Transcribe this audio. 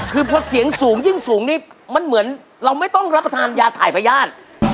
คือพอเสียงสูงยิ่งสูงนี่มันเหมือนเราไม่ต้องรับประทานยาถ่ายพญาติ